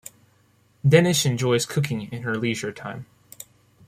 Denish enjoys cooking in her leisure time.